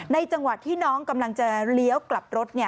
จังหวะที่น้องกำลังจะเลี้ยวกลับรถ